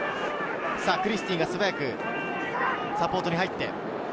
クリスティが素早くサポートに入って。